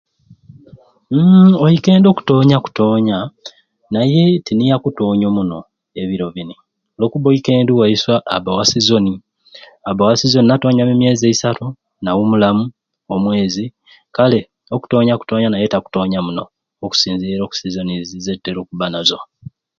Uumm oikendi akutoonya akutoonya naye tiniye akutoonya omuno ebiro bini lw'okubba oikendi waiswe abba wa sizoni abba wa sizoni natoonyamu emyezi eisatu nawummulamu omwezi kale okutoonya akutoonya naye takutoonya muno okusinziira oku sizoni ze zetutera okubba nazo.